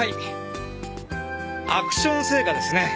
アクション製菓ですね。